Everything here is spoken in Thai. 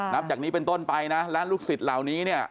นับจากนี้เป็นต้นไปนะและลูกศิษย์เหล่านี้เนี่ย